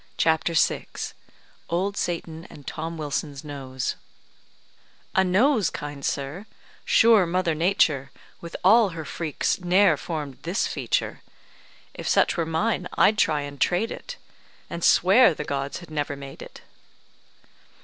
CHAPTER VI OLD SATAN AND TOM WILSON'S NOSE "A nose, kind sir! Sure mother Nature, With all her freaks, ne'er formed this feature. If such were mine, I'd try and trade it, And swear the gods had never made it."